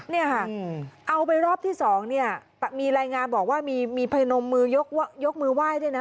เนี่ยค่ะเอาไปรอบที่สองเนี่ยมีรายงานบอกว่ามีพนมมือยกมือไหว้ด้วยนะ